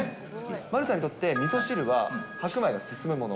丸さんにとってみそ汁は白米が進むもの？